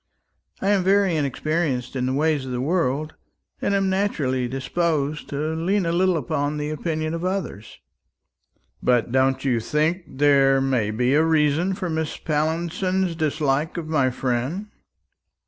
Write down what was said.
I am very inexperienced in the ways of the world, and am naturally disposed to lean a little upon the opinions of others." "But don't you think there may be a reason for Mrs. Pallinson's dislike of my friend?"